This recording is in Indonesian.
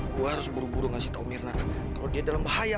gue harus buru buru ngasih tahu mirna kalau dia dalam bahaya